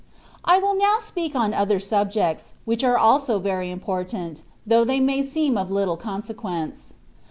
I WILL now speak on other subjects, which are also very important, though they may seem of little consequence.